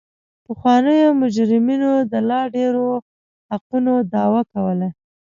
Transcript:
پخوانیو مجرمینو د لا ډېرو حقونو دعوه کوله.